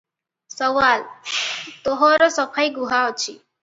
ସୱାଲ -ତୋହର ସଫାଇ ଗୁହା ଅଛି?